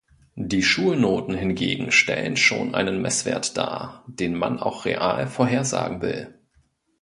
Die Schulnoten hingegen stellen schon einen Messwert dar, den man auch real vorhersagen will.